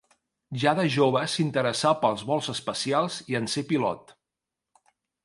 Ja de jove s'interessà pels vols espacials i en ser pilot.